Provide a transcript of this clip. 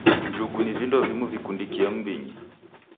Njugu ni vindo vimu vikundikie m'mbinyi.